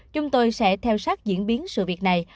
chúng tôi sẽ theo sát diễn biến sự việc này